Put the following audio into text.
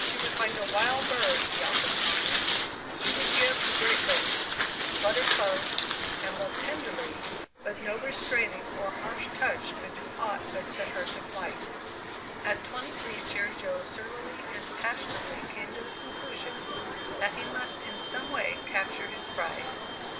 She was like a wild bird, he often pondered; she would give to great lengths, flutter close, and love tenderly, but no restraining or harsh touch could do aught but set her to flight. At twenty three Jerry Jo surlily and passionately came to the conclusion that he must in some way capture his prize.